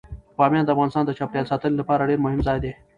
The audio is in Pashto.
بامیان د افغانستان د چاپیریال ساتنې لپاره ډیر مهم ځای دی.